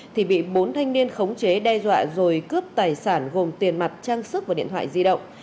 thì bị bốn thanh niên khống chế đe dọa rồi cướp tài sản gồm tiền mặt trang sức và điện thoại di động